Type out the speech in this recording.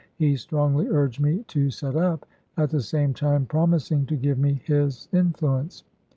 He strongly urged me to set up, at the same time promising to give me his influ ence.